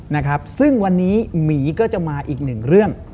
นะครับซึ่งวันนี้หมีก็จะมาอีกหนึ่งเรื่อง